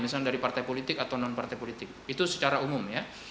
misalnya dari partai politik atau nonpartai politik itu secara umum